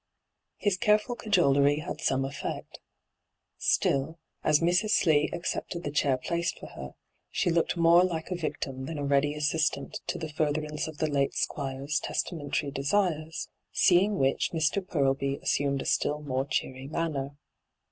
His careful cajolery had some effect Still, as Mrs. Slee accepted the chair placed for her, she looked more like a victim than a ready assistant to the furtherance of the late Squire's testamentary desires, seeing which Mr. Purlby assumed a still more cheery manner.